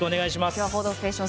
今日は「報道ステーション」。